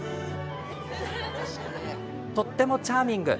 とてもチャーミング。